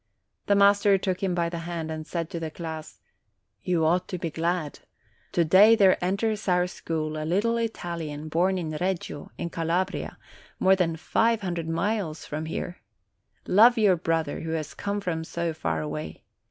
The master took him by the hand, and said to the class : "You ought to be glad. To day there enters our school a little Italian born in Reggio, in Calabria, more than five hundred miles from here. Love your brother who has come from so far away.